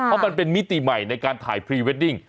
เพราะมันเป็นมิติใหม่ในการถ่ายพรีเวดดิ้ง